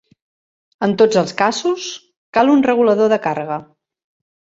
En tots els casos, cal un regulador de càrrega.